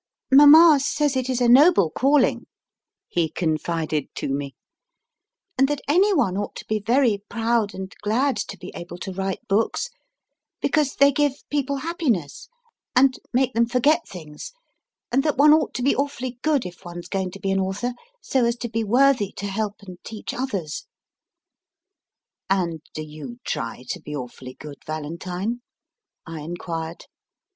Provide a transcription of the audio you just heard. INTRODUCTION xii Mama says it is a noble calling, he confided to me, and that anyone ought to be very proud and glad to be able to write books, because they give people happiness and make them forget things, and that one ought to be awfully good if one s going to be an author, so as to be worthy to help and teach others. And do you try to be awfully good, Valentine ? I enquired.